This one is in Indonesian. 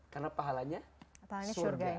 karena pahalanya surga